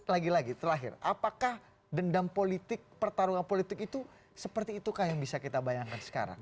lagi lagi terakhir apakah dendam politik pertarungan politik itu seperti itukah yang bisa kita bayangkan sekarang